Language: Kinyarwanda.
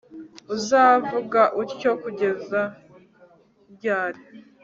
uzavuga utyo kugeza ryari